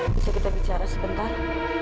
bisa kita bicara sebentar